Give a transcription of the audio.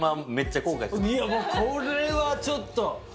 いや、もう、これはちょっと。